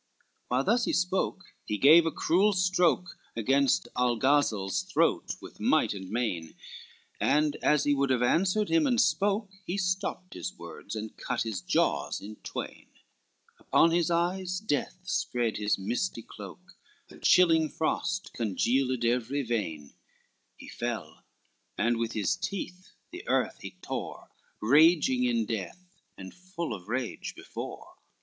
LXXVIII While thus he spoke, he gave a cruel stroke Against Algazel's throat with might and main; And as he would have answered him, and spoke, He stopped his words, and cut his jaws in twain; Upon his eyes death spread his misty cloak, A chilling frost congealed every vein, He fell, and with his teeth the earth he tore, Raging in death, and full of rage before.